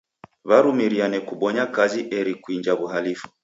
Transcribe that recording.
W'arumiriane kubonyanya kazi eri kuinja w'uhalifu.